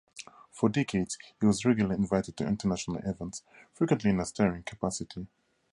For decades he was regularly invited to international events, frequently in a starring capacity.